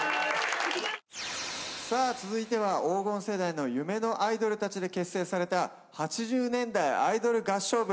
さあ続いては黄金世代の夢のアイドルたちで結成された８０年代アイドル合唱部。